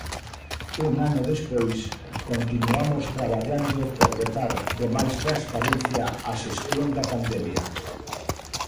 Un ano despois, continuamos traballando por dotar de máis transparencia a xestión da pandemia.